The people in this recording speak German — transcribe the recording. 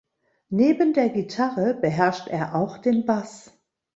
Neben der Gitarre beherrscht er auch den Bass.